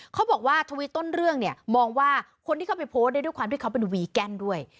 เขาบอกว่าทวิตต้นเรื่องเนี่ยมองว่าคนที่เขาไปโพสต์ได้ด้วยความที่เขาเป็นวีแกนด้วย